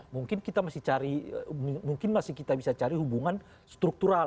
mungkin kita masih bisa cari hubungan struktural